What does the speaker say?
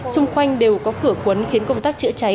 xung quanh đều có cửa cuốn khiến công tác chữa cháy